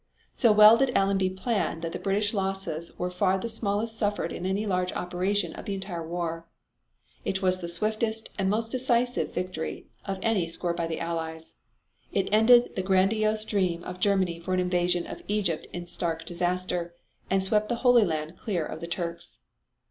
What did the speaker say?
So well did Allenby plan that the British losses were far the smallest suffered in any large operation of the entire war. It was the swiftest and most decisive victory of any scored by the Allies. It ended the grandiose dream of Germany for an invasion of Egypt in stark disaster, and swept the Holy Land clear of the Turks.